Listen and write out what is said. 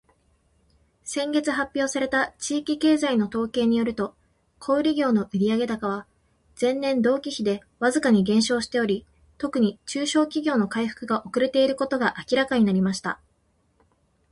「先月発表された地域経済の統計によると、小売業の売上高は前年同期比でわずかに減少しており、特に中小企業の回復が遅れていることが明らかになりました。」